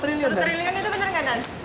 satu triliun itu bener gak nan